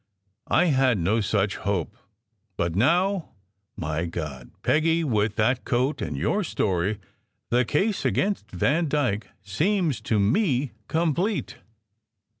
I had no such hope, but now my God, Peggy, with that coat and your story, the case against Vandyke seems to me complete!"